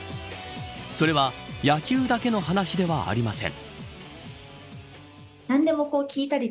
それは野球だけの話ではありません。